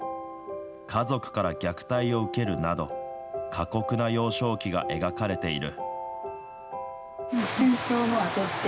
家族から虐待を受けるなど過酷な幼少期が描かれている。